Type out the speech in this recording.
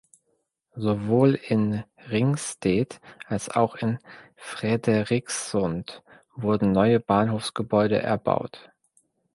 Sowohl in Ringsted als auch in Frederikssund wurden neue Bahnhofsgebäude erbaut.